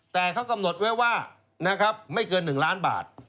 แต่เขากำหนดไว้ว่านะครับไม่เกิน๑ล้านบาท